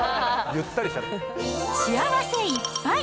幸せいっぱい！